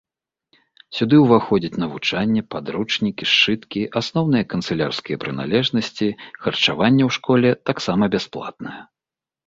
Сюды ўваходзяць навучанне, падручнікі, сшыткі, асноўныя канцылярскія прыналежнасці, харчаванне ў школе таксама бясплатнае.